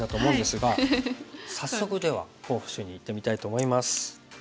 早速では候補手にいってみたいと思います。